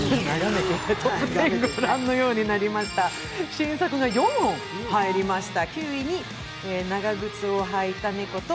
新作が４本入りました。